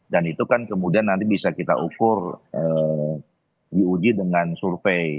dan itu kan kemudian nanti bisa kita ukur di uji dengan survei